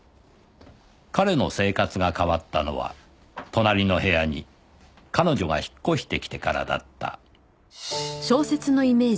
“彼”の生活が変わったのは隣の部屋に“彼女”が引っ越してきてからだった